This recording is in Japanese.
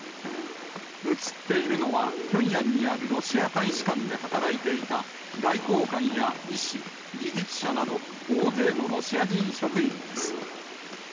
写っているのは、ピョンヤンにあるロシア大使館で働いていた外交官や医師、技術者など大勢のロシア人職員です。